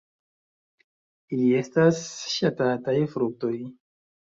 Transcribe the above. Ili estas ŝatataj fruktoj.